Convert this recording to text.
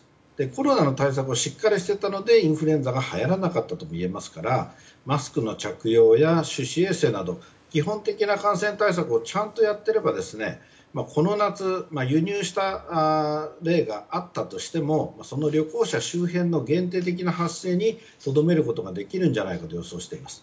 コロナの対策をしっかりしていたのでインフルエンザがはやらなかったともいえますからマスクの着用や手指衛生など基本的な感染対策をちゃんとやっていればこの夏、輸入した例があったとしてもその旅行者周辺の限定的な発生にとどめることができるんじゃないかと予想しています。